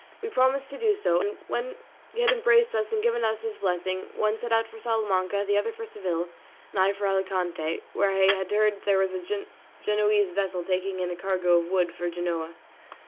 We promised to do so, and when he had embraced us and given us his blessing, one set out for Salamanca, the other for Seville, and I for Alicante, where I had heard there was a Genoese vessel taking in a cargo of wool for Genoa.